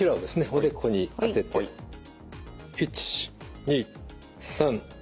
おでこに当てて１２３４５。